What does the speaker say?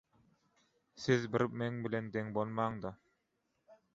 Siz bir meň bilen deň bolmaň-da...